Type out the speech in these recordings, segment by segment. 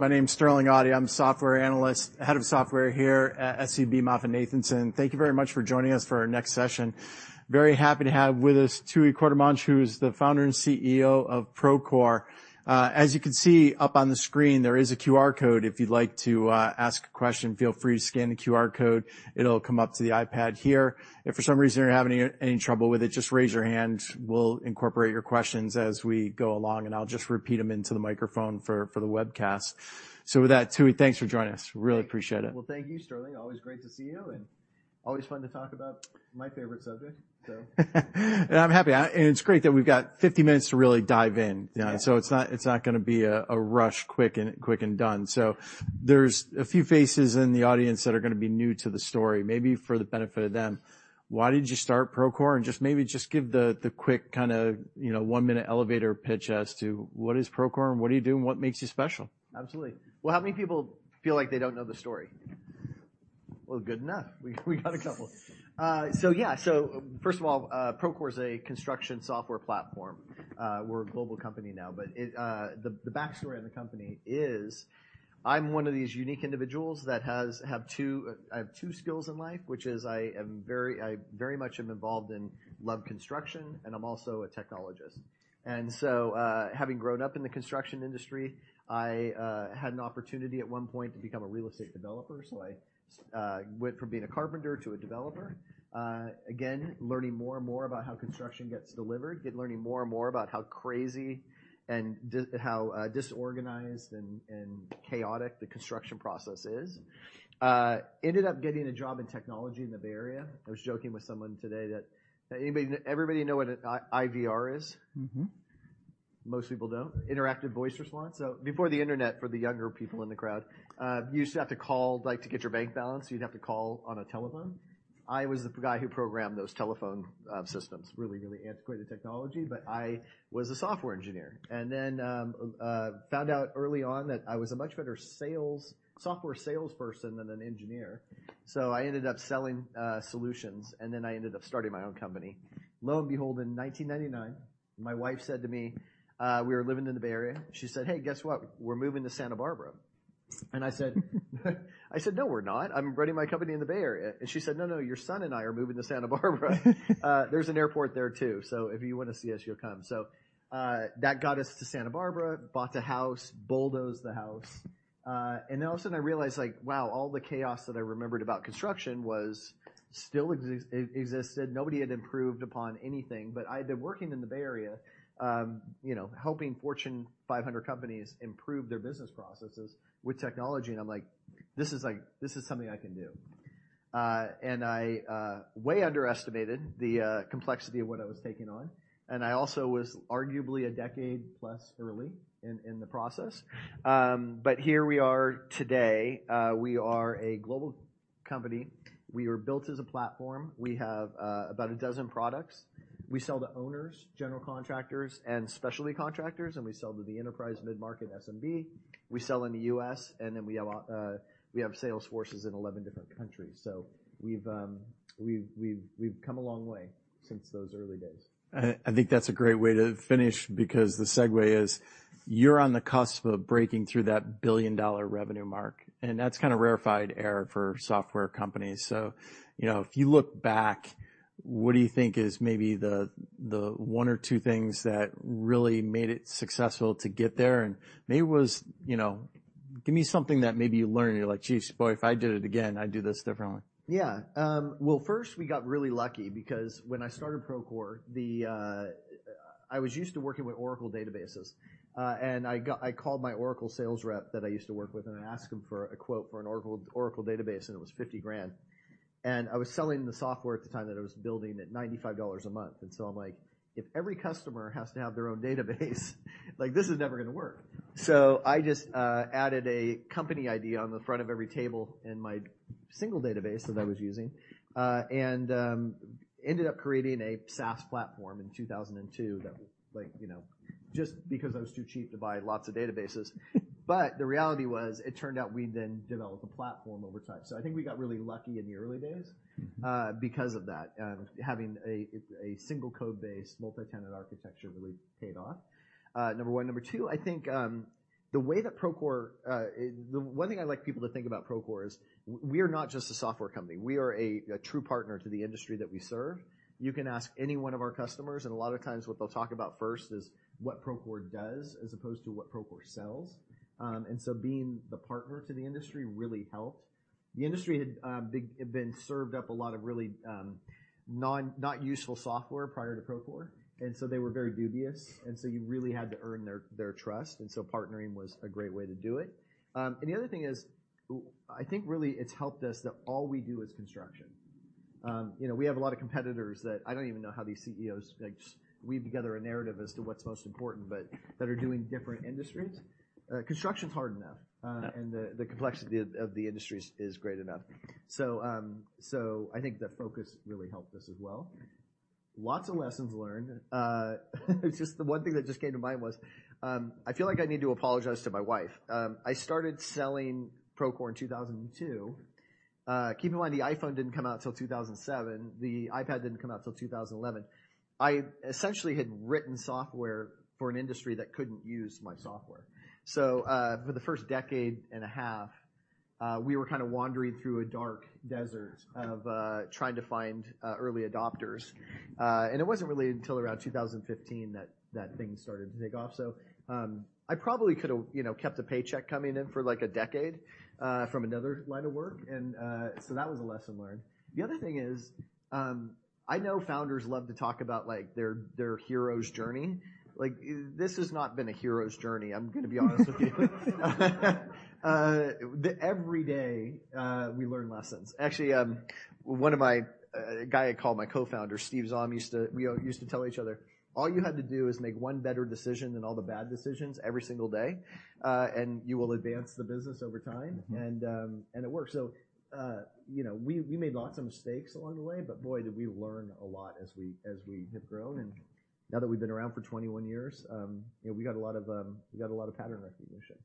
My name is Sterling Auty. I'm a software analyst, head of software here at SVB MoffettNathanson. Thank you very much for joining us for our next session. Very happy to have with us Tooey Courtemanche, who's the Founder and CEO of Procore. As you can see up on the screen, there is a QR code. If you'd like to ask a question, feel free to scan the QR code. It'll come up to the iPad here. If for some reason you're having any trouble with it, just raise your hand. We'll incorporate your questions as we go along, and I'll just repeat them into the microphone for the webcast. With that, Tooey, thanks for joining us. Really appreciate it. Well, thank you, Sterling. Always great to see you and always fun to talk about my favorite subject. I'm happy. It's great that we've got 50 minutes to really dive in. Yeah. It's not, it's not gonna be a rush quick and done. There's a few faces in the audience that are gonna be new to the story, maybe for the benefit of them. Why did you start Procore? Just maybe just give the quick kind of one-minute elevator pitch as to what is Procore, and what do you do, and what makes you special. Absolutely. Well, how many people feel like they don't know the story? Well, good enough. We got a couple. Yeah. First of all, Procore is a construction software platform. We're a global company now, but the backstory on the company is I'm one of these unique individuals that I have two skills in life, which is I very much am involved in love construction, I'm also a technologist. Having grown up in the construction industry, I had an opportunity at one point to become a real estate developer. I went from being a carpenter to a developer, again, learning more and more about how construction gets delivered, learning more and more about how crazy and how disorganized and chaotic the construction process is. ended up getting a job in technology in the Bay Area. I was joking with someone today that Everybody know what IVR is? Mm-hmm. Most people don't. Interactive Voice Response. Before the Internet, for the younger people in the crowd, you used to have to call, like, to get your bank balance, you'd have to call on a telephone. I was the guy who programmed those telephone systems, really, really antiquated technology, but I was a software engineer. Found out early on that I was a much better software salesperson than an engineer. I ended up selling solutions, and then I ended up starting my own company. Lo and behold, in 1999, my wife said to me, we were living in the Bay Area, she said, "Hey, guess what? We're moving to Santa Barbara." I said, "No, we're not. I'm running my company in the Bay Area." She said, "No, no, your son and I are moving to Santa Barbara." "There's an airport there, too, so if you wanna see us, you'll come." That got us to Santa Barbara, bought the house, bulldozed the house. All of a sudden I realized, like, wow, all the chaos that I remembered about construction was still existed. Nobody had improved upon anything. I'd been working in the Bay area helping Fortune 500 companies improve their business processes with technology, and I'm like, "This is something I can do." I way underestimated the complexity of what I was taking on, and I also was arguably a decade plus early in the process. Here we are today. We are a global company. We were built as a platform. We have about a dozen products. We sell to owners, general contractors, and specialty contractors, and we sell to the enterprise mid-market SMB. We sell in the U.S., and then we have sales forces in 11 different countries. We've come a long way since those early days. I think that's a great way to finish because the segue is you're on the cusp of breaking through that billion-dollar revenue mark, and that's kind of rarefied air for software companies. If you look back, what do you think is maybe the one or two things that really made it successful to get there? Maybe it was,... Give me something that maybe you learned and you're like, "Geez, boy, if I did it again, I'd do this differently. Yeah. Well, first, we got really lucky because when I started Procore, I was used to working with Oracle databases, I called my Oracle sales rep that I used to work with, and I asked him for a quote for an Oracle database, and it was $50,000. I was selling the software at the time that I was building at $95 a month. I'm like, "If every customer has to have their own database, like this is never gonna work." I just added a company ID on the front of every table in my single database that I was using, ended up creating a SaaS platform in 2002 that like just because I was too cheap to buy lots of databases. The reality was it turned out we then developed a platform over time. I think we got really lucky in the early days because of that. Having a single code base, multi-tenant architecture really paid off. Number one. Number two, I think, the way that Procore, the one thing I'd like people to think about Procore is we are not just a software company. We are a true partner to the industry that we serve. You can ask any one of our customers, and a lot of times what they'll talk about first is what Procore does as opposed to what Procore sells. Being the partner to the industry really helped. The industry had been served up a lot of really not useful software prior to Procore. They were very dubious, and you really had to earn their trust, and partnering was a great way to do it. The other thing is, I think really it's helped us that all we do is construction. we have a lot of competitors that I don't even know how these CEOs, like, just weave together a narrative as to what's most important, but that are doing different industries. Construction's hard enough, and the complexity of the industry is great enough. I think the focus really helped us as well. Lots of lessons learned. Just the one thing that just came to mind was, I feel like I need to apologize to my wife. I started selling Procore in 2002. Keep in mind, the iPhone didn't come out till 2007. The iPad didn't come out till 2011. I essentially had written software for an industry that couldn't use my software. For the first decade and a half, we were kinda wandering through a dark desert of trying to find early adopters. It wasn't really until around 2015 that that thing started to take off. I probably could have kept a paycheck coming in for, like, a decade from another line of work. That was a lesson learned. The other thing is, I know founders love to talk about, like, their hero's journey. Like, this has not been a hero's journey, I'm gonna be honest with you. Every day, we learn lessons. Actually, one of my, a guy I call my co-founder, Steve Zahm, used to tell each other, "All you had to do is make one better decision than all the bad decisions every single day, and you will advance the business over time. Mm-hmm. It worked. We made lots of mistakes along the way, but boy, did we learn a lot as we have grown. Mm-hmm. Now that we've been around for 21 years we got a lot of pattern recognition.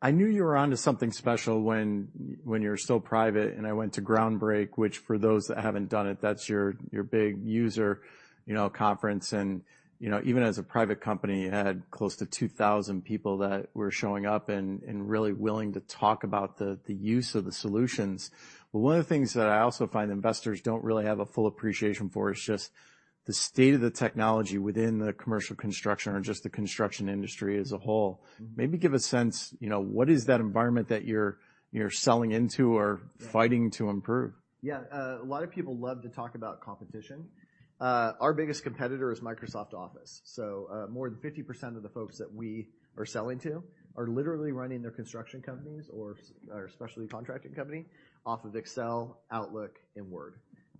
I knew you were onto something special when you were still private, and I went to Groundbreak, which for those that haven't done it, that's your big user conference. Even as a private company, you had close to 2,000 people that were showing up and really willing to talk about the use of the solutions. One of the things that I also find investors don't really have a full appreciation for is just the state of the technology within the commercial construction or just the construction industry as a whole. Mm-hmm. Maybe give a sense what is that environment that you're selling into or... Yeah. fighting to improve? Yeah. A lot of people love to talk about competition. Our biggest competitor is Microsoft Office. More than 50% of the folks that we are selling to are literally running their construction companies or specialty contracting company off of Excel, Outlook, and Word.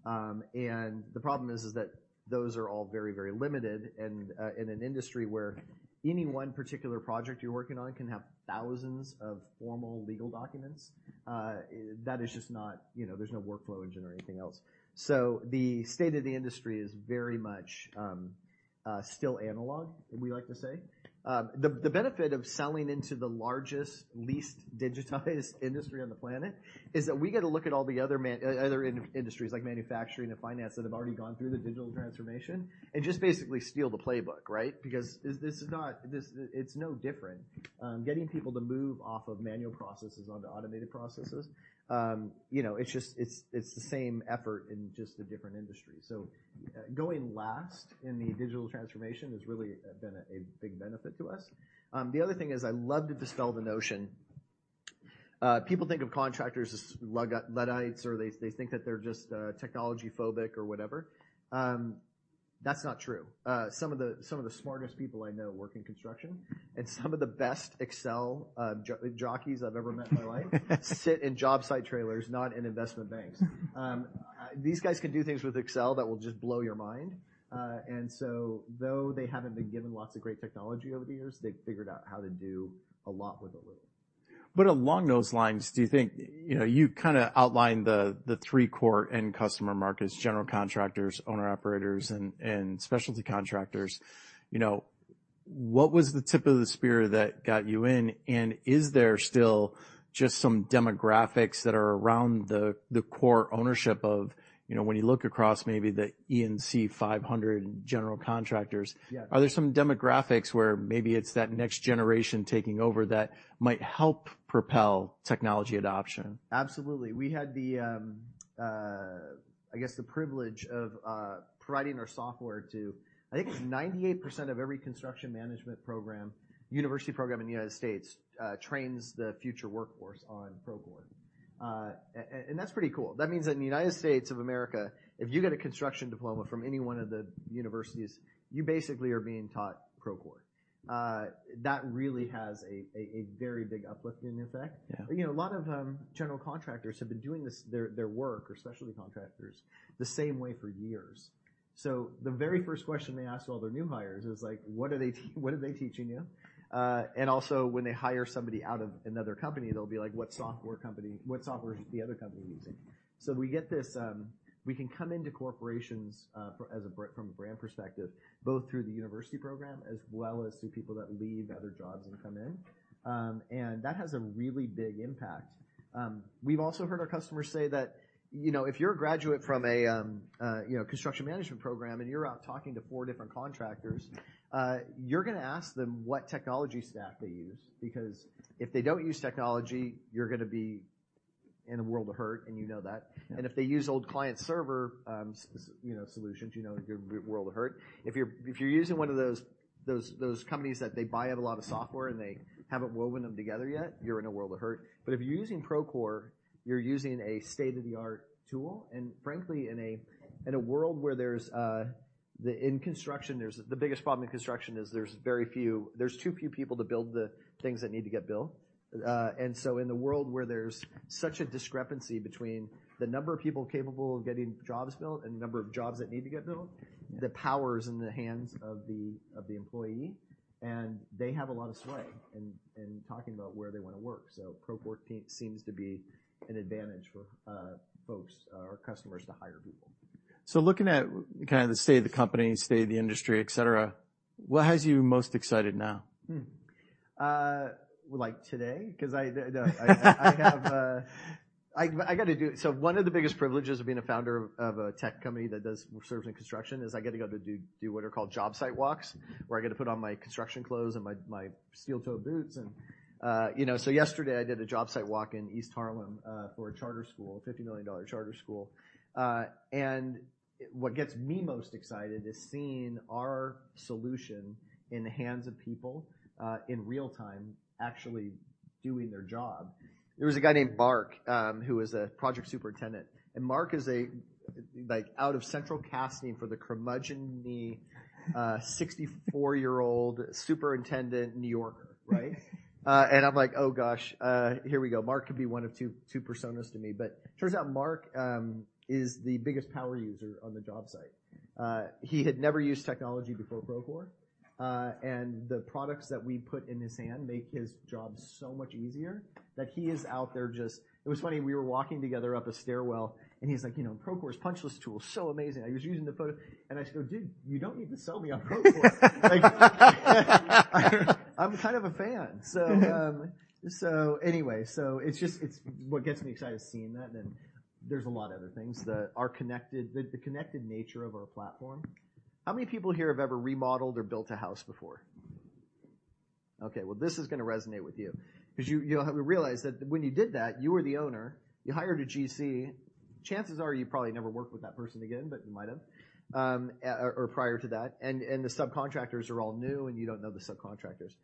And the problem is that those are all very, very limited. In an industry where any one particular project you're working on can have thousands of formal legal documents, that is just not. There's no workflow engine or anything else. The state of the industry is very much still analog, we like to say. The benefit of selling into the largest, least digitized industry on the planet is that we get to look at all the other industries, like manufacturing and finance, that have already gone through the digital transformation, and just basically steal the playbook, right? Because it's no different. Getting people to move off of manual processes onto automated processes it's the same effort in just a different industry. Going last in the digital transformation has really been a big benefit to us. The other thing is, I love to dispel the notion. People think of contractors as luddites, or they think that they're just technology-phobic or whatever. That's not true. Some of the smartest people I know work in construction, and some of the best Excel jockeys I've ever met in my life sit in job site trailers, not in investment banks. These guys can do things with Excel that will just blow your mind. Though they haven't been given lots of great technology over the years, they've figured out how to do a lot with a little. Along those lines, do you think?, you kinda outlined the three core end customer markets: general contractors, owner-operators, and specialty contractors. What was the tip of the spear that got you in? Is there still just some demographics that are around the core ownership of... when you look across maybe the ENR Top 500 general contractors- Yeah. Are there some demographics where maybe it's that next generation taking over that might help propel technology adoption? Absolutely. We had the, I guess, the privilege of providing our software to... I think it's 98% of every construction management program, university program in the United States, trains the future workforce on Procore. That's pretty cool. That means that in the United States of America, if you get a construction diploma from any 1 of the universities, you basically are being taught Procore. That really has a very big uplifting effect. Yeah., a lot of general contractors have been doing this, their work, or specialty contractors, the same way for years. The very first question they ask all their new hires is, like, "What are they teaching you?" Also when they hire somebody out of another company, they'll be like, "What software is the other company using?" We get this. We can come into corporations from a brand perspective, both through the university program as well as through people that leave other jobs and come in. That has a really big impact. We've also heard our customers say that if you're a graduate from a construction management program, and you're out talking to 4 different contractors, you're gonna ask them what technology stack they use. Because if they don't use technology, you're gonna be in a world of hurt, and that. Yeah. If they use old client server solutions, you're in a world of hurt. If you're using one of those companies that they buy out a lot of software and they haven't woven them together yet, you're in a world of hurt. If you're using Procore, you're using a state-of-the-art tool. Frankly, in a world where there's in construction, the biggest problem in construction is there's too few people to build the things that need to get built. In the world where there's such a discrepancy between the number of people capable of getting jobs built and the number of jobs that need to get built. Yeah. The power is in the hands of the employee, and they have a lot of sway in talking about where they wanna work. Procore seems to be an advantage for folks or customers to hire people. Looking at kind of the state of the company, state of the industry, et cetera, what has you most excited now? Like today? 'Cause I have, I gotta do. One of the biggest privileges of being a founder of a tech company that serves in construction is I get to go to do what are called job site walks, where I get to put on my construction clothes and my steel toe boots and. Yesterday I did a job site walk in East Harlem for a charter school, a $50 million charter school. What gets me most excited is seeing our solution in the hands of people in real time actually doing their job. There was a guy named Mark, who was a project superintendent, and Mark is a, like, out of central casting for the curmudgeonly 64-year-old superintendent New Yorker, right? I'm like, "Oh, gosh, here we go. Mark could be one of two personas to me." Turns out Mark is the biggest power user on the job site. He had never used technology before Procore, and the products that we put in his hand make his job so much easier that he is out there just... It was funny, we were walking together up a stairwell, and he's like, ", Procore's punch list tool is so amazing. I was using the photo..." I just go, "Dude, you don't need to sell me on Procore." Like, I'm kind of a fan. Anyway, what gets me excited is seeing that, and there's a lot of other things that are connected, the connected nature of our platform. How many people here have ever remodeled or built a house before? Okay, well, this is gonna resonate with you 'cause you'll realize that when you did that, you were the owner, you hired a GC. Chances are you probably never worked with that person again, but you might have, or prior to that, and the subcontractors are all new, and you don't know the subcontractors.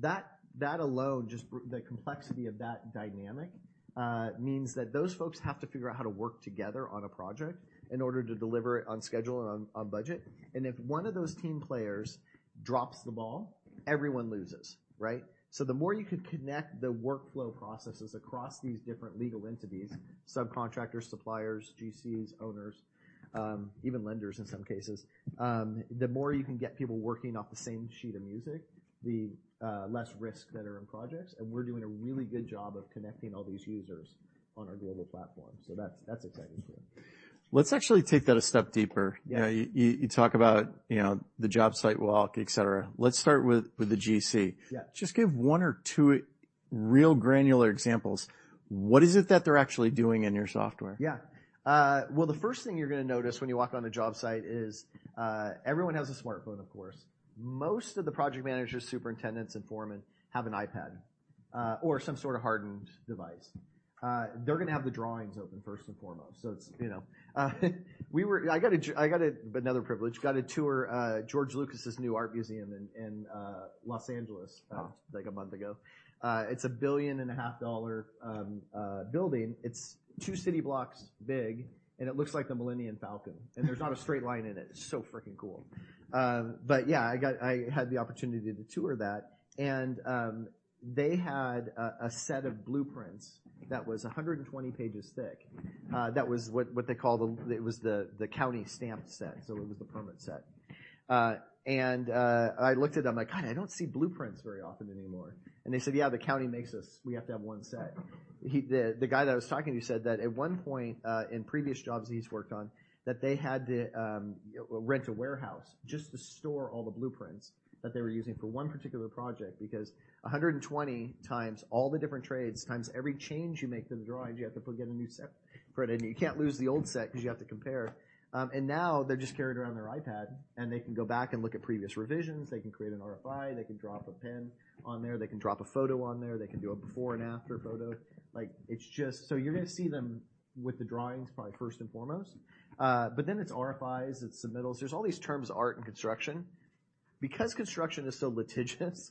That alone, just the complexity of that dynamic, means that those folks have to figure out how to work together on a project in order to deliver it on schedule and on budget. If one of those team players drops the ball, everyone loses, right? The more you can connect the workflow processes across these different legal entities, subcontractors, suppliers, GCs, owners, even lenders in some cases, the more you can get people working off the same sheet of music, the less risk that are in projects. We're doing a really good job of connecting all these users on our global platform. That's exciting for me. Let's actually take that a step deeper. Yeah. You talk about the job site walk, et cetera. Let's start with the GC. Yeah. Just give one or two real granular examples. What is it that they're actually doing in your software? Yeah. Well, the first thing you're gonna notice when you walk on a job site is, everyone has a smartphone, of course. Most of the project managers, superintendents, and foremen have an iPad, or some sort of hardened device. They're gonna have the drawings open first and foremost. It's,. I got another privilege, got to tour George Lucas's new art museum in Los Angeles. Wow. -like a month ago. It's a billion and a half dollar building. It's two city blocks big, and it looks like the Millennium Falcon. There's not a straight line in it. It's so freaking cool. Yeah, I had the opportunity to tour that, and they had a set of blueprints that was 120 pages thick, that was what they call the. It was the county stamp set, so it was the permit set. I looked at them, I'm like, "God, I don't see blueprints very often anymore." They said, "Yeah, the county makes us. We have to have one set." The guy that I was talking to said that at one point, in previous jobs he's worked on, that they had to rent a warehouse just to store all the blueprints that they were using for one particular project because 120 times all the different trades times every change you make to the drawings, you have to get a new set printed, and you can't lose the old set 'cause you have to compare. Now they're just carried around their iPad, and they can go back and look at previous revisions. They can create an RFI. They can drop a pin on there. They can drop a photo on there. They can do a before and after photo. Like, it's just. You're gonna see them with the drawings probably first and foremost. It's RFIs, it's submittals. There's all these terms of art in construction. Because construction is so litigious,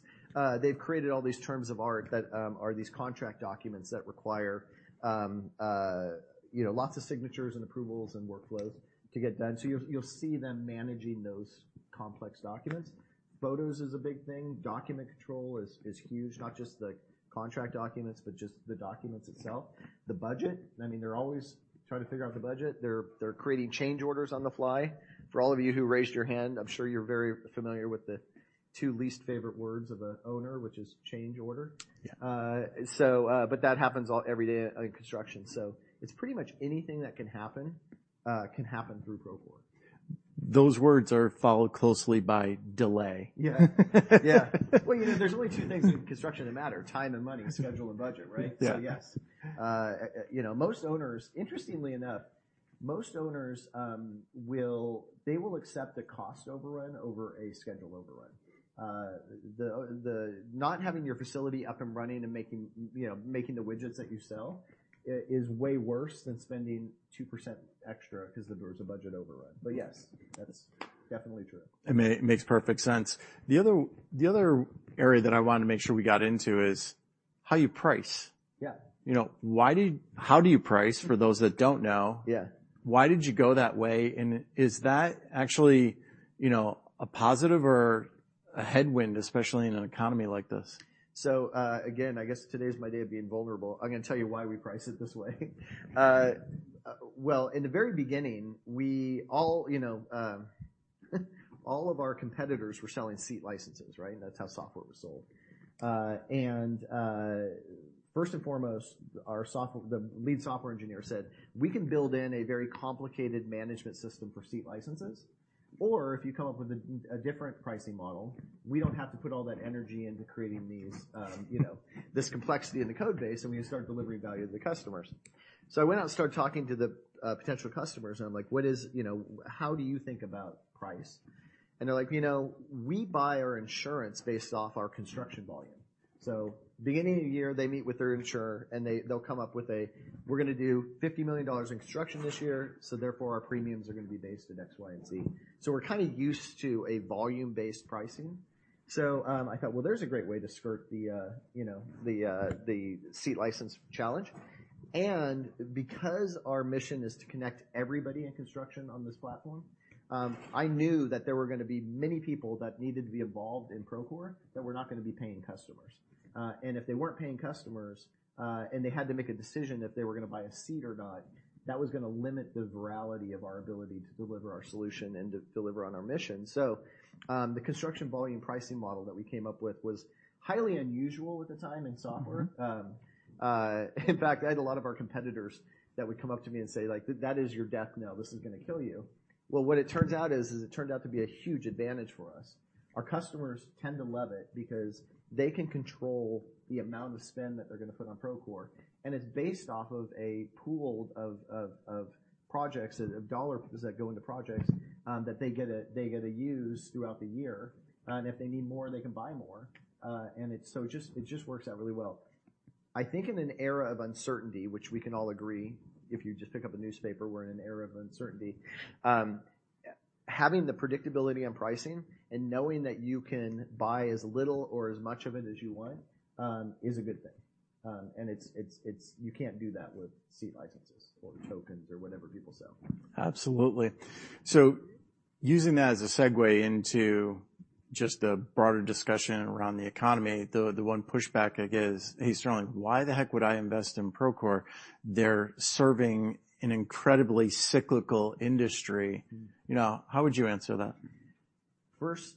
they've created all these terms of art that, are these contract documents that require lots of signatures and approvals and workflows to get done. You'll see them managing those complex documents. Photos is a big thing. Document control is huge. Not just the contract documents, but just the documents itself. The budget, I mean, they're always trying to figure out the budget. They're creating change orders on the fly. For all of you who raised your hand, I'm sure you're very familiar with the two least favorite words of an owner, which is change order. Yeah. That happens every day in construction. It's pretty much anything that can happen, can happen through Procore. Those words are followed closely by delay. Yeah. Yeah., there's only two things in construction that matter: time and money, schedule and budget, right? Yeah. Yes., Interestingly enough, most owners, they will accept a cost overrun over a schedule overrun. Not having your facility up and running and making making the widgets that you sell is way worse than spending 2% extra 'cause there was a budget overrun. Yes, that is definitely true. I mean, it makes perfect sense. The other area that I wanted to make sure we got into is how you price. Yeah., how do you price, for those that don't know? Yeah. Why did you go that way? Is that actually a positive or a headwind, especially in an economy like this? Again, I guess today's my day of being vulnerable. I'm gonna tell you why we price it this way. Well, in the very beginning, we all all of our competitors were selling seat licenses, right? That's how software was sold. First and foremost, the lead software engineer said, "We can build in a very complicated management system for seat licenses, or if you come up with a different pricing model, we don't have to put all that energy into creating these this complexity in the code base, and we can start delivering value to the customers." I went out and started talking to the potential customers, and I'm like, "What is..., how do you think about price?" They're like, ", we buy our insurance based off our construction volume." Beginning of the year, they meet with their insurer, and they'll come up with a, "We're gonna do $50 million in construction this year. Therefore our premiums are gonna be based on X, Y, and Z." We're kinda used to a volume-based pricing. I thought, well, there's a great way to skirt the the seat license challenge. Because our mission is to connect everybody in construction on this platform, I knew that there were gonna be many people that needed to be involved in Procore that were not gonna be paying customers. If they weren't paying customers, and they had to make a decision if they were gonna buy a seat or not, that was gonna limit the virality of our ability to deliver our solution and to deliver on our mission. The construction volume pricing model that we came up with was highly unusual at the time in software. Mm-hmm. In fact, I had a lot of our competitors that would come up to me and say, like, "That is your death knell. This is gonna kill you." Well, what it turns out is it turned out to be a huge advantage for us. Our customers tend to love it because they can control the amount of spend that they're gonna put on Procore, and it's based off of a pool of projects, of dollars that go into projects, that they get to use throughout the year. If they need more, they can buy more. It just works out really well. I think in an era of uncertainty, which we can all agree, if you just pick up a newspaper, we're in an era of uncertainty, having the predictability on pricing and knowing that you can buy as little or as much of it as you want, is a good thing. It's you can't do that with seat licenses or tokens or whatever people sell. Absolutely. Using that as a segue into just the broader discussion around the economy, the one pushback I get is, "Hey, Sterling, why the heck would I invest in Procore? They're serving an incredibly cyclical industry.", how would you answer that?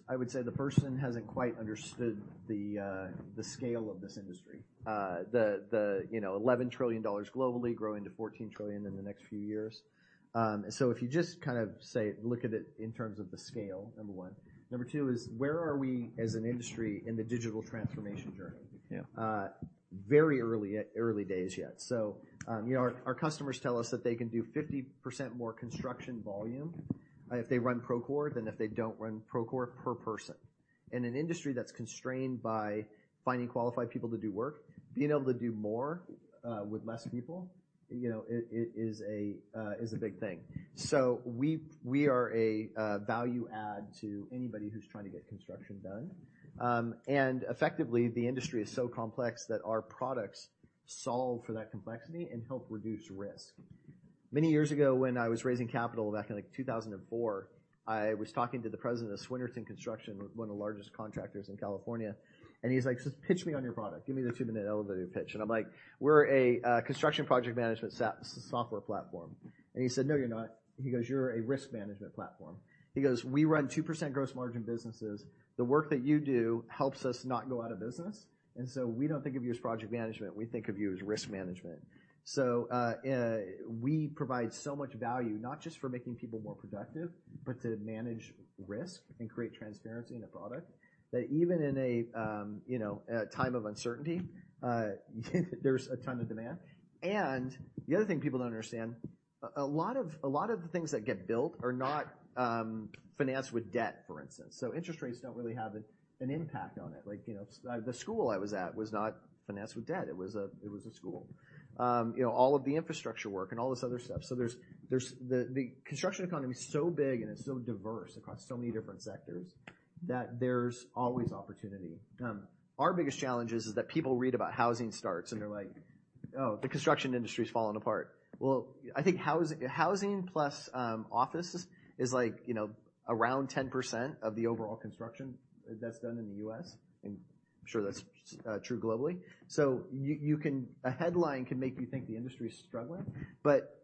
I would say the person hasn't quite understood the scale of this industry., $11 trillion globally growing to $14 trillion in the next few years. If you just kind of say, look at it in terms of the scale, number 1. Number 2 is where are we as an industry in the digital transformation journey? Yeah. Very early days yet., our customers tell us that they can do 50% more construction volume if they run Procore than if they don't run Procore per person. In an industry that's constrained by finding qualified people to do work, being able to do more with less people is a big thing. We are a value add to anybody who's trying to get construction done. Effectively, the industry is so complex that our products solve for that complexity and help reduce risk. Many years ago, when I was raising capital back in, like, 2004, I was talking to the president of Swinerton Construction, one of the largest contractors in California, and he's like, "Just pitch me on your product. Give me the two-minute elevator pitch." I'm like, "We're a construction project management software platform." He said, "No, you're not." He goes, "You're a risk management platform." He goes, "We run 2% gross margin businesses. The work that you do helps us not go out of business. We don't think of you as project management. We think of you as risk management." We provide so much value, not just for making people more productive, but to manage risk and create transparency in a product that even in a a time of uncertainty, there's a ton of demand. The other thing people don't understand, a lot of, a lot of the things that get built are not financed with debt, for instance. Interest rates don't really have an impact on it. like the school I was at was not financed with debt. It was a school., all of the infrastructure work and all this other stuff. There's the construction economy is so big and it's so diverse across so many different sectors that there's always opportunity. Our biggest challenge is that people read about housing starts, and they're like, "Oh, the construction industry is falling apart." Well, I think housing plus offices is like around 10% of the overall construction that's done in the U.S. I'm sure that's true globally. You a headline can make you think the industry is struggling.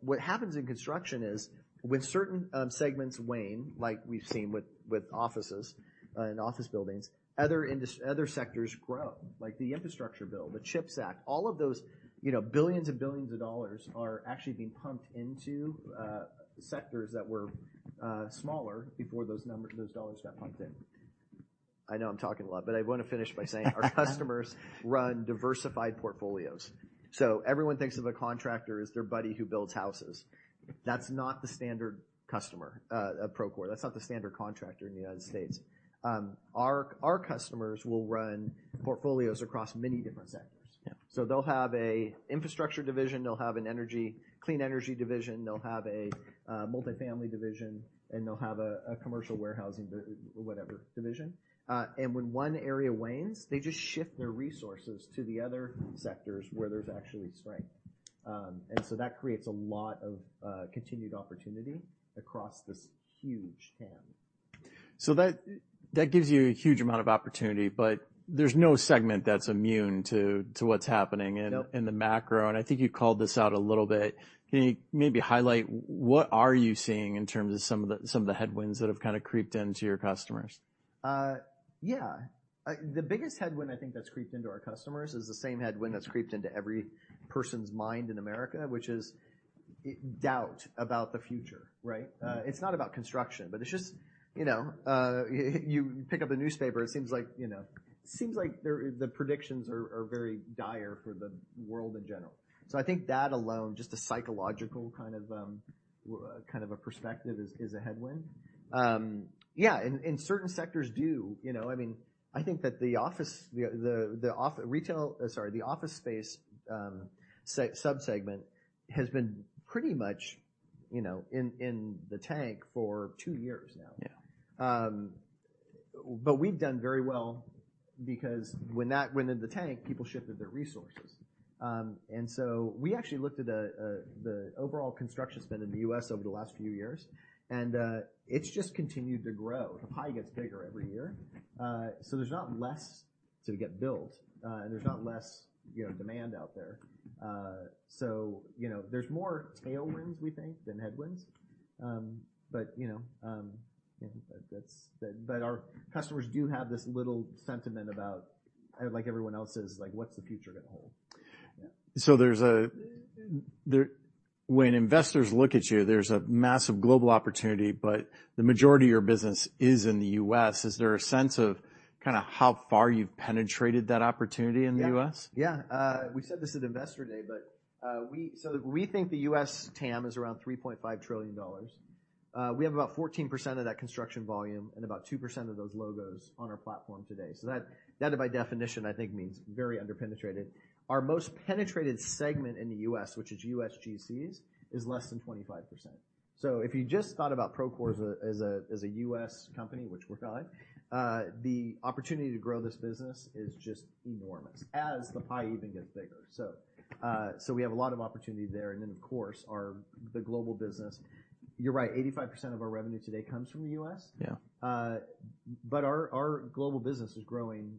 What happens in construction is when certain segments wane, like we've seen with offices and office buildings, other sectors grow. Like the infrastructure bill, the CHIPS Act, all of those billions and billions of dollars are actually being pumped into sectors that were smaller before those numbers, those dollars got pumped in. I know I'm talking a lot, but I wanna finish by saying. Our customers run diversified portfolios. Everyone thinks of a contractor as their buddy who builds houses. That's not the standard customer at Procore. That's not the standard contractor in the U.S. Our customers will run portfolios across many different sectors. Yeah. They'll have a infrastructure division, they'll have an energy, clean energy division, they'll have a multifamily division, and they'll have a commercial warehousing whatever division. When one area wanes, they just shift their resources to the other sectors where there's actually strength. That creates a lot of continued opportunity across this huge TAM. That gives you a huge amount of opportunity, but there's no segment that's immune to what's happening. Nope. -in, in the macro, I think you called this out a little bit. Can you maybe highlight what are you seeing in terms of some of the, some of the headwinds that have kinda creeped into your customers? Yeah. The biggest headwind I think that's creeped into our customers is the same headwind that's creeped into every person's mind in America, which is doubt about the future, right? It's not about construction, but it's just you pick up a newspaper, it seems like seems like the predictions are very dire for the world in general. I think that alone, just the psychological kind of a perspective is a headwind. Yeah. Certain sectors do,. I mean, I think that the office space subsegment has been pretty much in the tank for two years now. Yeah. We've done very well because when that went in the tank, people shifted their resources. We actually looked at the overall construction spend in the U.S. over the last few years, and it's just continued to grow. The pie gets bigger every year. There's not less to get built. There's not less demand out there., there's more tailwinds, we think, than headwinds., our customers do have this little sentiment about, like everyone else is, like, "What's the future gonna hold?" Yeah. When investors look at you, there's a massive global opportunity, but the majority of your business is in the U.S. Is there a sense of kinda how far you've penetrated that opportunity in the U.S.? Yeah. Yeah. We said this at Investor Day, but we think the U.S. TAM is around $3.5 trillion. We have about 14% of that construction volume and about 2% of those logos on our platform today. That, that by definition I think means very under-penetrated. Our most penetrated segment in the U.S., which is U.S. GCs, is less than 25%. If you just thought about Procore as a, as a, as a U.S. company, which we're not, the opportunity to grow this business is just enormous as the pie even gets bigger. We have a lot of opportunity there. Of course, the global business. You're right, 85% of our revenue today comes from the U.S. Yeah. Our global business is growing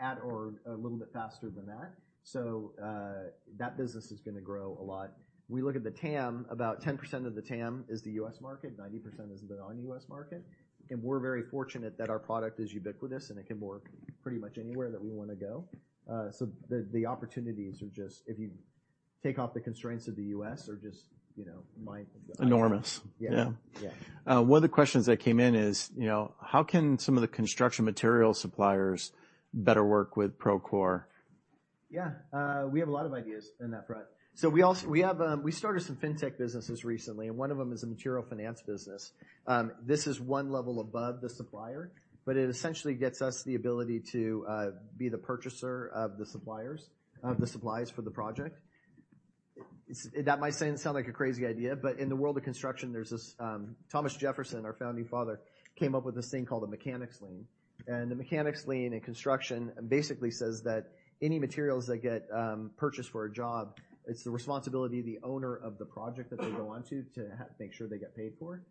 at or a little bit faster than that. That business is gonna grow a lot. We look at the TAM, about 10% of the TAM is the U.S. market, 90% is the non-U.S. market. We're very fortunate that our product is ubiquitous, and it can work pretty much anywhere that we wanna go. The opportunities are just, if you take off the constraints of the U.S., are just Enormous. Yeah. Yeah. Yeah. One of the questions that came in is how can some of the construction material suppliers better work with Procore? We have a lot of ideas in that front. We have, we started some fintech businesses recently, and one of them is a material finance business. This is one level above the supplier, but it essentially gets us the ability to be the purchaser of the suppliers, of the supplies for the project. That might sound like a crazy idea, but in the world of construction, there's this Thomas Jefferson, our founding father, came up with this thing called a mechanic's lien. The mechanic's lien in construction basically says that any materials that get purchased for a job, it's the responsibility of the owner of the project that they go onto to make sure they get paid for.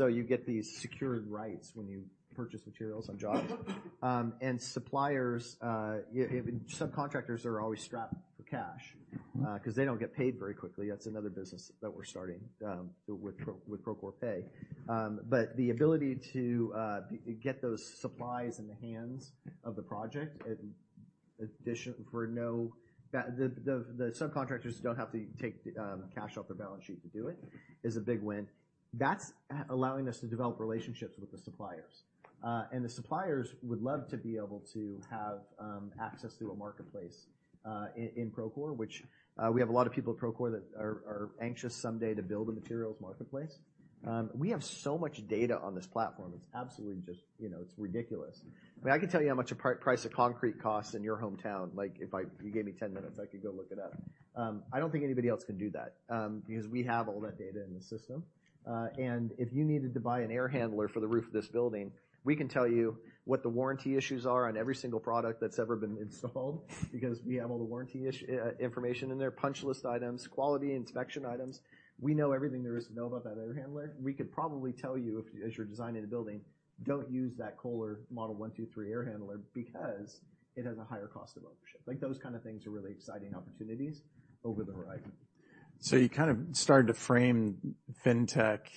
You get these secured rights when you purchase materials on jobs. Suppliers, sub-subcontractors are always strapped for cash, 'cause they don't get paid very quickly. That's another business that we're starting with Procore Pay. The ability to get those supplies in the hands of the project in addition The subcontractors don't have to take cash off their balance sheet to do it, is a big win. That's allowing us to develop relationships with the suppliers. The suppliers would love to be able to have access to a marketplace in Procore, which we have a lot of people at Procore that are anxious someday to build a materials marketplace. We have so much data on this platform, it's absolutely just it's ridiculous. I mean, I can tell you how much a part price of concrete costs in your hometown. Like, if you gave me 10 minutes, I could go look it up. I don't think anybody else can do that because we have all that data in the system. If you needed to buy an air handler for the roof of this building, we can tell you what the warranty issues are on every single product that's ever been installed because we have all the warranty information in there, punch list items, quality inspection items. We know everything there is to know about that air handler. We could probably tell you if, as you're designing a building, "Don't use that Kohler Model 123 air handler because it has a higher cost of ownership." Like, those kind of things are really exciting opportunities over the horizon. You kind of started to frame fintech.,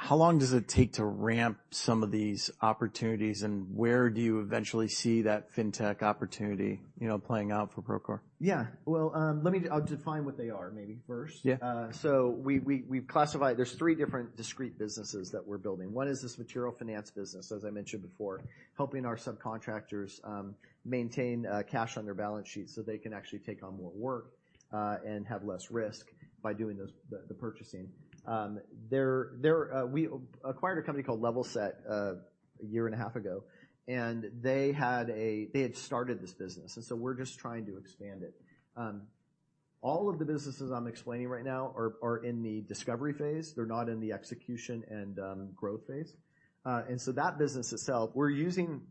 how long does it take to ramp some of these opportunities, and where do you eventually see that fintech opportunity playing out for Procore? Yeah. I'll define what they are maybe first. Yeah. We've classified there's 3 different discrete businesses that we're building. One is this material finance business, as I mentioned before, helping our subcontractors maintain cash on their balance sheet so they can actually take on more work and have less risk by doing those the purchasing. There we acquired a company called Levelset a year and a half ago, and they had started this business, and so we're just trying to expand it. All of the businesses I'm explaining right now are in the discovery phase. They're not in the execution and growth phase. That business itself, we're using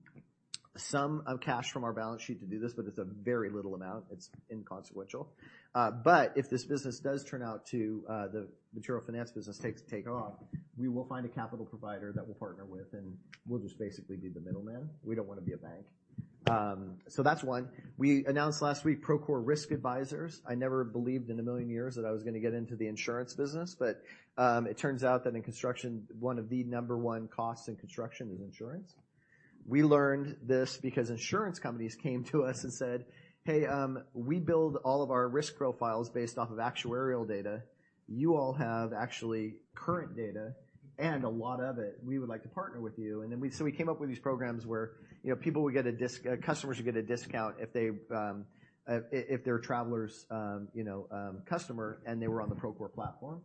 some of cash from our balance sheet to do this, but it's a very little amount. It's inconsequential. If this business does turn out to the material finance business take off, we will find a capital provider that we'll partner with, and we'll just basically be the middleman. We don't wanna be a bank. That's one. We announced last week, Procore Risk Advisors. I never believed in a million years that I was gonna get into the insurance business, but it turns out that in construction, one of the number one costs in construction is insurance. We learned this because insurance companies came to us and said, "Hey, we build all of our risk profiles based off of actuarial data. You all have actually current data and a lot of it, we would like to partner with you." We came up with these programs where people would get a discount if they're Travelers customer, and they were on the Procore platform.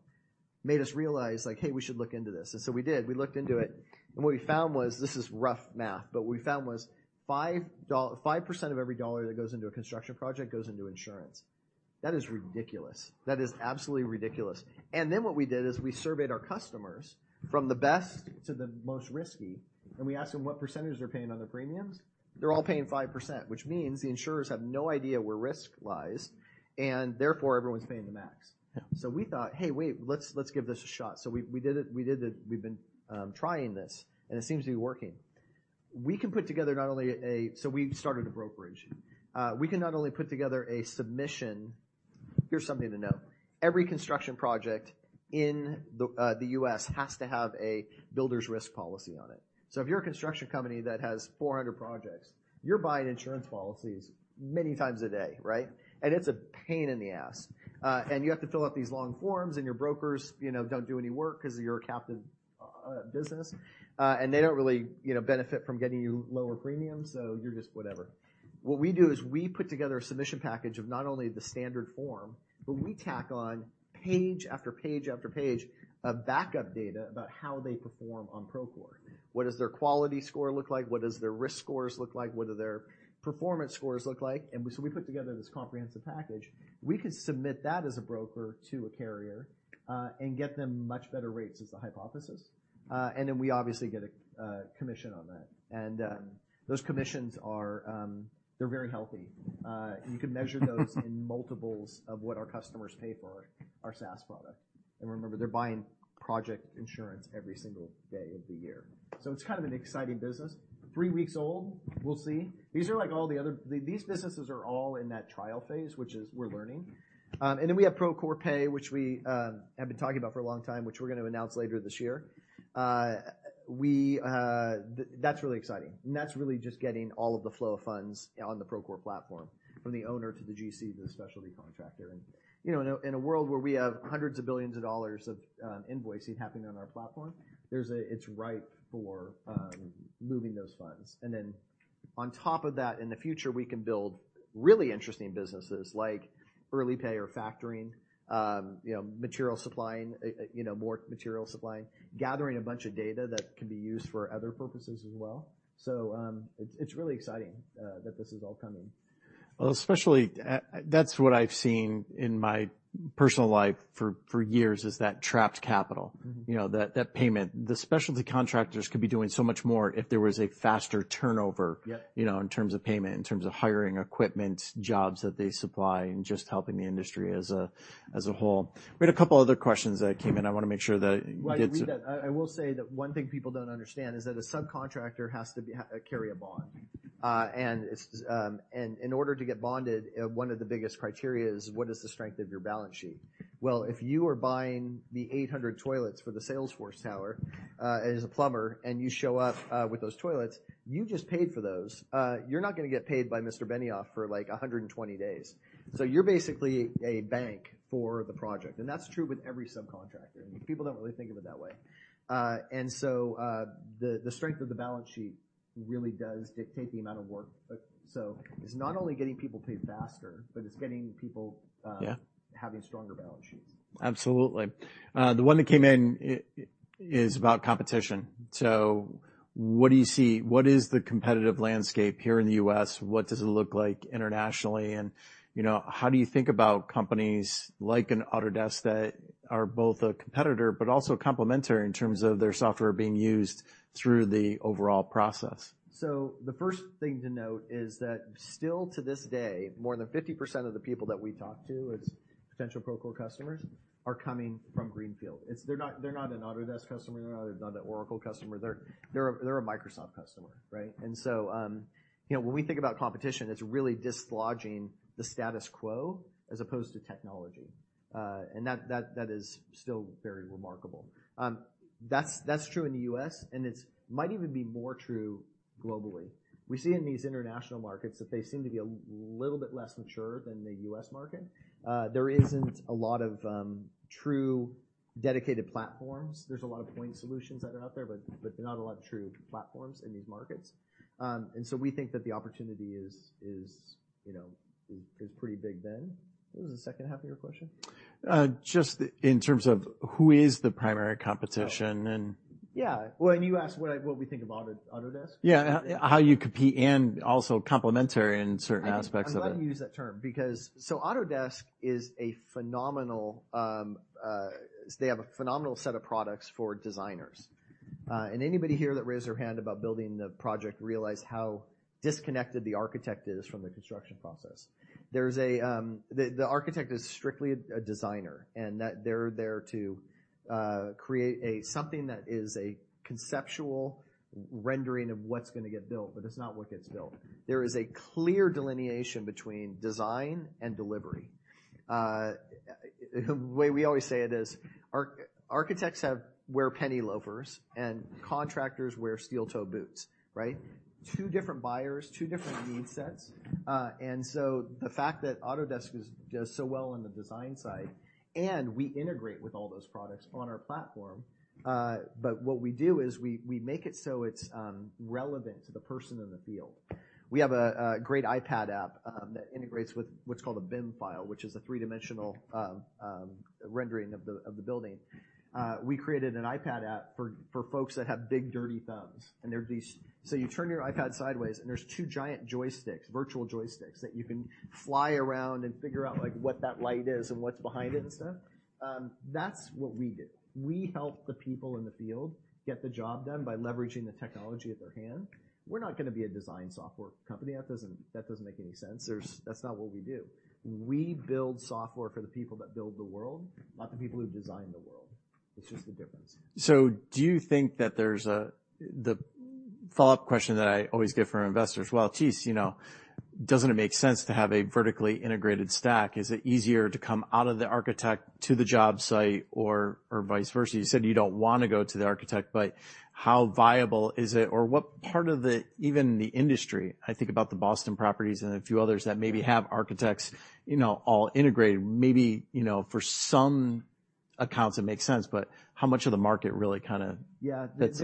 Made us realize, "Hey, we should look into this." We did. We looked into it, and what we found was, this is rough math, but what we found was 5% of every $1 that goes into a construction project goes into insurance. That is ridiculous. That is absolutely ridiculous. What we did is we surveyed our customers from the best to the most risky, and we asked them what % they're paying on their premiums. They're all paying 5%, which means the insurers have no idea where risk lies, and therefore everyone's paying the max. Yeah. We thought, "Hey, wait, let's give this a shot." We did it. We've been trying this, and it seems to be working. We can put together not only a. We've started a brokerage. We can not only put together a submission. Here's something to note. Every construction project in the U.S. has to have a builder's risk policy on it. If you're a construction company that has 400 projects, you're buying insurance policies many times a day, right? It's a pain in the ass. You have to fill out these long forms, and your brokers don't do any work 'cause you're a captive business, and they don't really benefit from getting you lower premiums, so you're just whatever. What we do is we put together a submission package of not only the standard form, but we tack on page after page after page of backup data about how they perform on Procore. What does their quality score look like? What does their risk scores look like? What do their performance scores look like? We put together this comprehensive package. We could submit that as a broker to a carrier, and get them much better rates is the hypothesis. Then we obviously get a commission on that. Those commissions are, they're very healthy. You can measure those in multiples of what our customers pay for our SaaS product. Remember, they're buying project insurance every single day of the year. It's kind of an exciting business. Three weeks old, we'll see. These are like all the other... These businesses are all in that trial phase, which is we're learning. We have Procore Pay, which we have been talking about for a long time, which we're gonna announce later this year. That's really exciting. That's really just getting all of the flow of funds on the Procore platform, from the owner to the GC to the specialty contractor., in a world where we have hundreds of billions of dollars of invoicing happening on our platform, it's ripe for moving those funds. On top of that, in the future, we can build really interesting businesses like early pay or factoring material supplying more material supplying, gathering a bunch of data that can be used for other purposes as well. It's really exciting, that this is all coming. Well, especially, that's what I've seen in my personal life for years is that trapped capital. Mm-hmm., that payment. The specialty contractors could be doing so much more if there was a faster turnover- Yeah..., in terms of payment, in terms of hiring equipment, jobs that they supply, and just helping the industry as a whole. We had a couple other questions that came in. I wanna make sure that we get to. While you read that, I will say that one thing people don't understand is that a subcontractor has to be, carry a bond. It's. In order to get bonded, one of the biggest criteria is what is the strength of your balance sheet? If you are buying the 800 toilets for the Salesforce Tower, as a plumber, and you show up with those toilets, you just paid for those. You're not gonna get paid by Mr. Benioff for, like, 120 days. You're basically a bank for the project, and that's true with every subcontractor. People don't really think of it that way. The strength of the balance sheet really does dictate the amount of work. It's not only getting people paid faster, but it's getting people... Yeah having stronger balance sheets. Absolutely. The one that came in is about competition. What do you see? What is the competitive landscape here in the U.S.? What does it look like internationally?, how do you think about companies like an Autodesk that are both a competitor but also complementary in terms of their software being used through the overall process? The first thing to note is that still to this day, more than 50% of the people that we talk to as potential Procore customers are coming from Greenfield. They're not an Autodesk customer. They're not an Oracle customer. They're a Microsoft customer, right? And so when we think about competition, it's really dislodging the status quo as opposed to technology. And that is still very remarkable. That's true in the U.S., and it might even be more true globally. We see in these international markets that they seem to be a little bit less mature than the U.S. market. There isn't a lot of true dedicated platforms. There's a lot of point solutions that are out there, but not a lot of true platforms in these markets. We think that the opportunity is is pretty big then. What was the second half of your question? Just in terms of who is the primary competition and. Oh. Yeah. Well, you asked what we think of Autodesk. Yeah. How you compete and also complementary in certain aspects of it. I'm glad you used that term because they have a phenomenal set of products for designers. Anybody here that raised their hand about building the project realized how disconnected the architect is from the construction process. The architect is strictly a designer. They're there to create something that is a conceptual rendering of what's gonna get built, it's not what gets built. There is a clear delineation between design and delivery. The way we always say it is architects wear penny loafers, contractors wear steel-toe boots, right? Two different buyers, two different need sets. The fact that Autodesk does so well on the design side, we integrate with all those products on our platform. What we do is we make it so it's relevant to the person in the field. We have a great iPad app that integrates with what's called a BIM file, which is a three-dimensional rendering of the building. We created an iPad app for folks that have big, dirty thumbs. So you turn your iPad sideways, and there's two giant joysticks, virtual joysticks that you can fly around and figure out, like, what that light is and what's behind it and stuff. That's what we do. We help the people in the field get the job done by leveraging the technology at their hand. We're not gonna be a design software company. That doesn't make any sense. That's not what we do. We build software for the people that build the world, not the people who design the world. It's just the difference. Do you think that there's a...? The follow-up question that I always get from investors, "Well, this doesn't it make sense to have a vertically integrated stack? Is it easier to come out of the architect to the job site or vice versa?" You said you don't wanna go to the architect, but how viable is it or what part of the industry, I think about the Boston Properties and a few others that maybe have architects all integrated. maybe for some accounts, it makes sense, but how much of the market really kinda? Yeah. That's.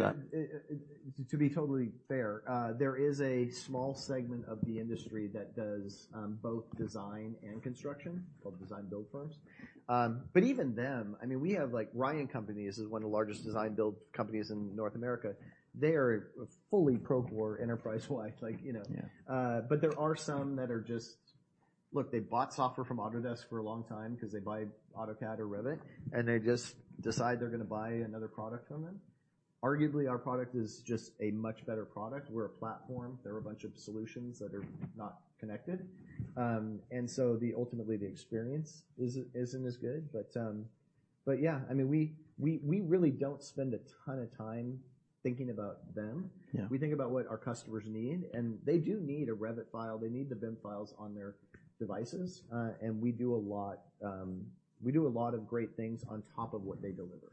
To be totally fair, there is a small segment of the industry that does, both design and construction called design-build firms. Even them, I mean, we have, like, Ryan Companies is one of the largest design-build companies in North America. They are fully Procore enterprise-wide, like,. Yeah. There are some that are just... Look, they bought software from Autodesk for a long time because they buy AutoCAD or Revit, and they just decide they're gonna buy another product from them. Arguably, our product is just a much better product. We're a platform. They're a bunch of solutions that are not connected. ultimately, the experience isn't as good. yeah, I mean, we, we really don't spend a ton of time thinking about them. Yeah. We think about what our customers need, and they do need a Revit file. They need the BIM files on their devices. We do a lot, we do a lot of great things on top of what they deliver.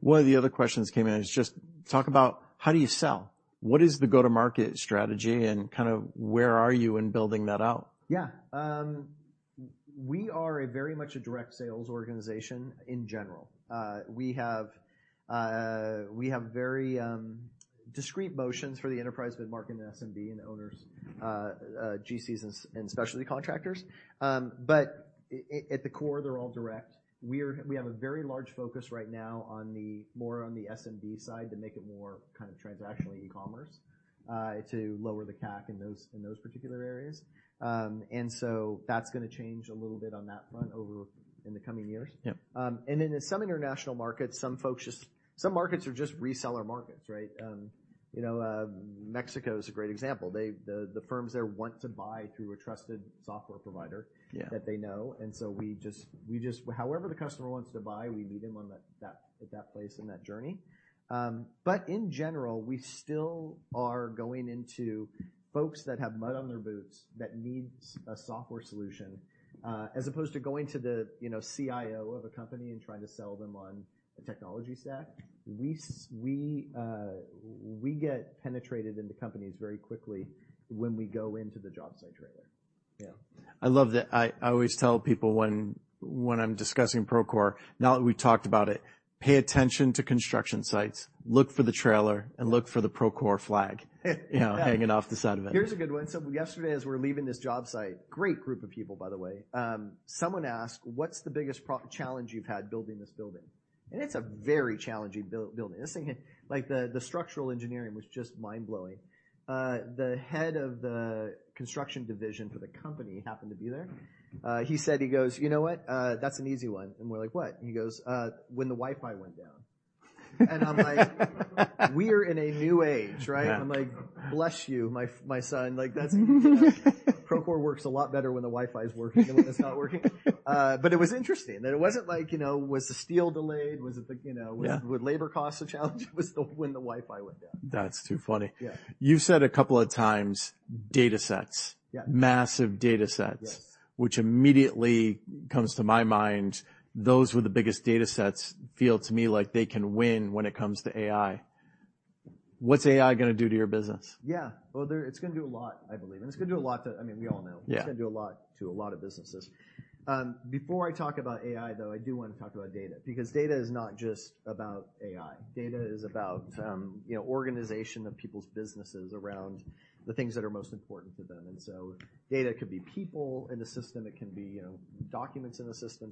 One of the other questions came in is just talk about how do you sell? What is the go-to-market strategy and kind of where are you in building that out? Yeah. We are a very much a direct sales organization in general. We have very discrete motions for the enterprise mid-market and SMB and owners, GCs and specialty contractors. But at the core, they're all direct. We have a very large focus right now more on the SMB side to make it more kind of transactionally e-commerce, to lower the CAC in those particular areas. That's gonna change a little bit on that front over in the coming years. Yeah. In some international markets, some markets are just reseller markets, right?, Mexico is a great example. The firms there want to buy through a trusted software provider. Yeah. that they know. However the customer wants to buy, we meet them on that place in that journey. In general, we still are going into folks that have mud on their boots that need a software solution, as opposed to going to the CIO of a company and trying to sell them on a technology stack. We get penetrated into companies very quickly when we go into the job site trailer. Yeah. I love that. I always tell people when I'm discussing Procore, now that we talked about it, pay attention to construction sites, look for the trailer, and look for the Procore flag hanging off the side of it. Here's a good one. Yesterday as we're leaving this job site, great group of people, by the way, someone asked: What's the biggest challenge you've had building this building? It's a very challenging building. This thing had. Like, the structural engineering was just mind-blowing. The head of the construction division for the company happened to be there. He said, he goes, " what? That's an easy one." We're like, "What?" He goes, "When the Wi-Fi went down." I'm like, we're in a new age, right? Yeah. I'm like, "Bless you, my son." Like, Procore works a lot better when the Wi-Fi is working than when it's not working. It was interesting that it wasn't like was the steel delayed? Was it the? Yeah. Was labor cost a challenge? It was when the Wi-Fi went down. That's too funny. Yeah. You've said a couple of times, datasets. Yeah. Massive datasets. Yes. Which immediately comes to my mind, those were the biggest datasets feel to me like they can win when it comes to AI. What's AI gonna do to your business? Yeah. Well, it's gonna do a lot, I believe. It's gonna do a lot to... I mean, we all know. Yeah. It's gonna do a lot to a lot of businesses. Before I talk about AI, though, I do wanna talk about data because data is not just about AI. Data is about organization of people's businesses around the things that are most important to them. Data could be people in the system. It can be documents in the system.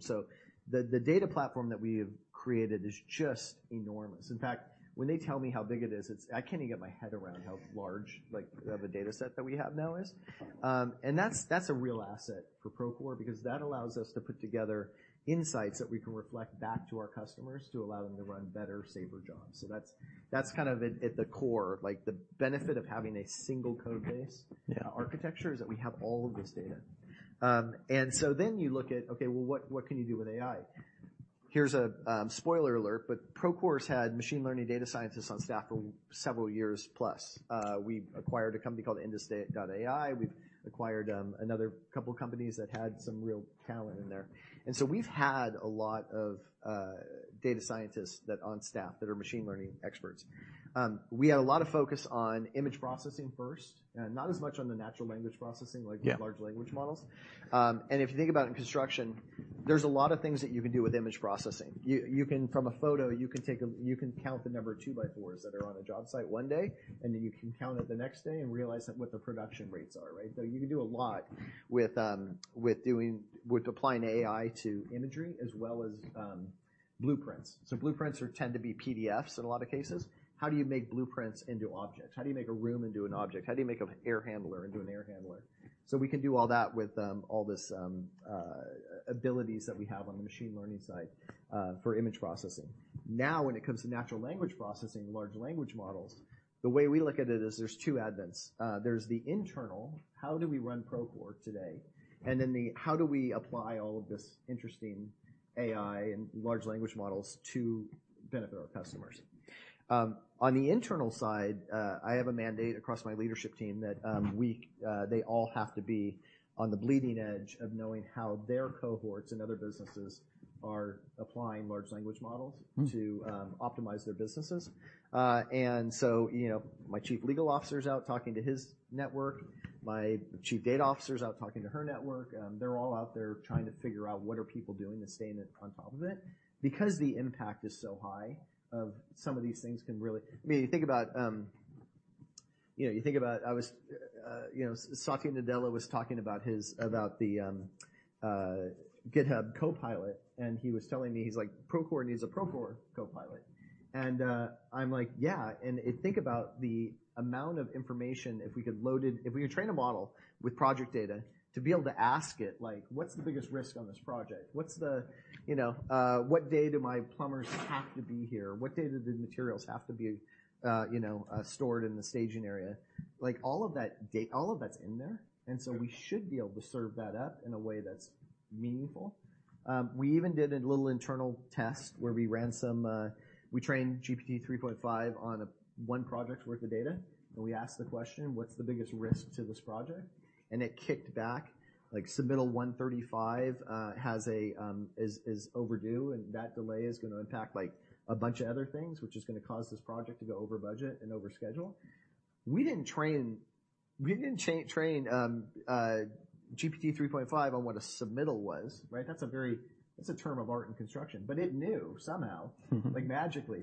The data platform that we have created is just enormous. In fact, when they tell me how big it is, I can't even get my head around how large, like, the data set that we have now is. That's a real asset for Procore because that allows us to put together insights that we can reflect back to our customers to allow them to run better, safer jobs. That's kind of at the core, like the benefit of having a single code base. Yeah. -architecture is that we have all of this data. Then you look at, okay, well, what can you do with AI? Here's a spoiler alert, Procore's had machine learning data scientists on staff for several years plus. We acquired a company called ndus.ai. We've acquired another couple companies that had some real talent in there. We've had a lot of data scientists on staff that are machine learning experts. We had a lot of focus on image processing first, not as much on the natural language processing, like. Yeah. large language models. If you think about in construction, there's a lot of things that you can do with image processing. You can from a photo, you can take a you can count the number of two-by-fours that are on a job site one day, and then you can count it the next day and realize that what their production rates are, right? You can do a lot with applying AI to imagery as well as blueprints. Blueprints tend to be PDFs in a lot of cases. How do you make blueprints into objects? How do you make a room into an object? How do you make an air handler into an air handler? We can do all that with all this abilities that we have on the machine learning side for image processing. When it comes to natural language processing, large language models, the way we look at it is there's two advents. There's the internal, how do we run Procore today? How do we apply all of this interesting AI and large language models to benefit our customers? On the internal side, I have a mandate across my leadership team that we, they all have to be on the bleeding edge of knowing how their cohorts in other businesses are applying large language models- Mm-hmm. -to optimize their businesses., my chief legal officer's out talking to his network, my chief data officer's out talking to her network. They're all out there trying to figure out what are people doing to staying on top of it. The impact is so high of some of these things can really... I mean, you think about you think about I was Satya Nadella was talking about the GitHub Copilot, he was telling me, he's like, "Procore needs a Procore Copilot." I'm like, "Yeah." Think about the amount of information if we could load it, if we could train a model with project data to be able to ask it, like, "What's the biggest risk on this project? What's the what day do my plumbers have to be here? What day do the materials have to be stored in the staging area?" Like, all of that's in there. So we should be able to serve that up in a way that's meaningful. We even did a little internal test where we ran some, we trained GPT-3.5 on 1 project's worth of data. We asked the question, "What's the biggest risk to this project?" It kicked back, like submittal 135, has a, is overdue, and that delay is gonna impact like a bunch of other things, which is gonna cause this project to go over budget and over schedule. We didn't train GPT-3.5 on what a submittal was, right? That's a very, that's a term of art and construction. It knew somehow. Like magically.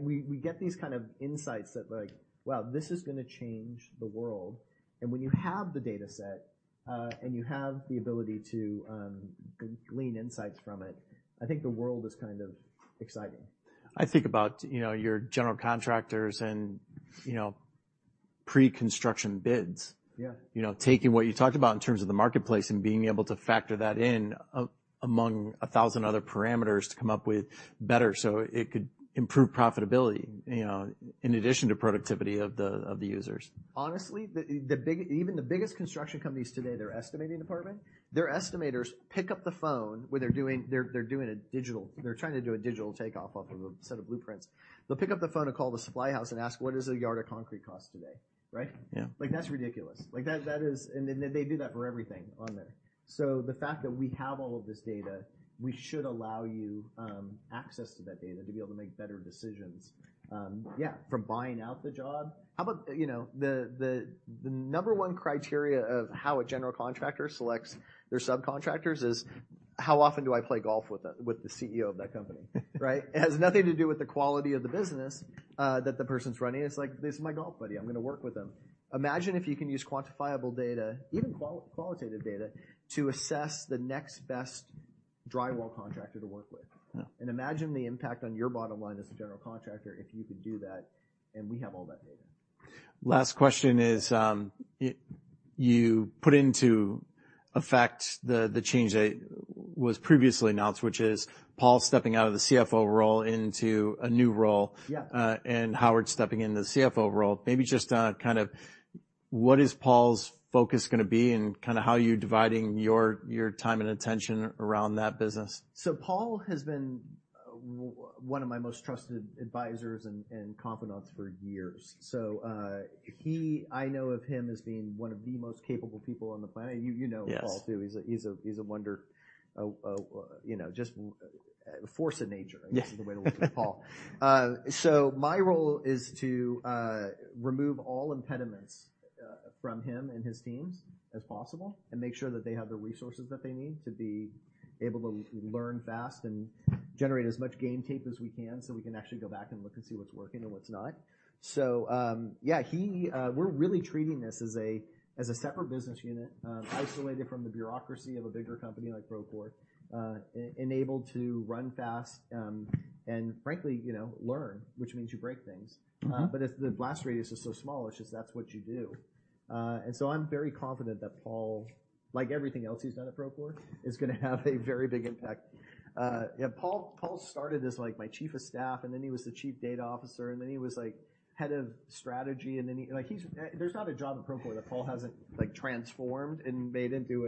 We get these kind of insights that like, wow, this is gonna change the world. When you have the data set, and you have the ability to glean insights from it, I think the world is kind of exciting. I think about your general contractors and pre-construction bids. Yeah., taking what you talked about in terms of the marketplace and being able to factor that in among 1,000 other parameters to come up with better, so it could improve profitability in addition to productivity of the users. Honestly, even the biggest construction companies today, their estimating department, their estimators pick up the phone when they're trying to do a digital takeoff off of a set of blueprints. They'll pick up the phone and call the supply house and ask, "What does a yard of concrete cost today?" Right? Yeah. Like, that's ridiculous. Like that is... They, they do that for everything on there. The fact that we have all of this data, we should allow you access to that data to be able to make better decisions, yeah, from buying out the job. How about the, the number one criteria of how a general contractor selects their subcontractors is, how often do I play golf with the, with the CEO of that company, right? It has nothing to do with the quality of the business that the person's running. It's like, "This is my golf buddy. I'm gonna work with him." Imagine if you can use quantifiable data, even qualitative data to assess the next best drywall contractor to work with. Yeah. Imagine the impact on your bottom line as a general contractor if you could do that, and we have all that data. Last question is, you put into effect the change that was previously announced, which is Paul stepping out of the CFO role into a new role. Yeah. Howard stepping into the CFO role, maybe just kind of what is Paul's focus gonna be and kinda how are you dividing your time and attention around that business? Paul has been one of my most trusted advisors and confidants for years. I know of him as being one of the most capable people on the planet. Paul too. Yes. He's a wonder a force of nature. Yeah. -is the way to look at Paul. My role is to remove all impediments from him and his teams as possible, and make sure that they have the resources that they need to be able to learn fast and generate as much game tape as we can, so we can actually go back and look and see what's working and what's not. Yeah, he, we're really treating this as a, as a separate business unit, isolated from the bureaucracy of a bigger company like Procore, and able to run fast, and frankly learn, which means you break things. Mm-hmm. If the blast radius is so small, it's just that's what you do. I'm very confident that Paul, like everything else he's done at Procore, is gonna have a very big impact. Yeah, Paul started as like my chief of staff, and then he was the chief data officer, and then he was like head of strategy. There's not a job at Procore that Paul hasn't, like, transformed and made into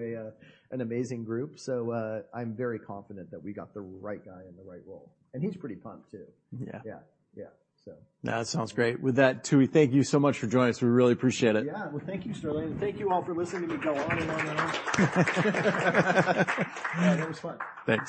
an amazing group. I'm very confident that we got the right guy in the right role, and he's pretty pumped too. Yeah. Yeah. Yeah. So. It sounds great. With that, Tooey, thank you so much for joining us. We really appreciate it. Yeah. Well, thank you, Sterling, and thank you all for listening to me go on and on and on. Yeah, that was fun. Thank you.